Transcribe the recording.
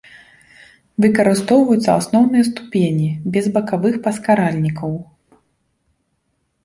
Выкарыстоўваюцца асноўныя ступені, без бакавых паскаральнікаў.